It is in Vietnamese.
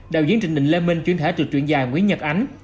đạo diễn trịnh định lê minh chuyển thể từ truyện dài nguyễn nhật ánh